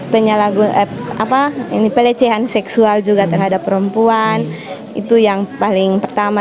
penyalahgunaan pelecehan seksual juga terhadap perempuan itu yang paling pertama